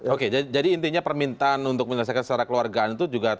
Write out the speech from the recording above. oke jadi intinya permintaan untuk menyelesaikan secara keluargaan itu juga